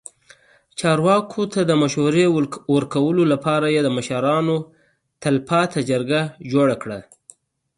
چارواکو ته د مشورې ورکولو لپاره یې د مشرانو تلپاتې جرګه جوړه کړه.